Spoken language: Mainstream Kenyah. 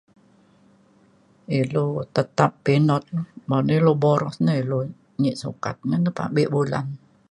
ilu tetap pinut mo na ilu boros na ilu nyi sukat na ngetabik bulan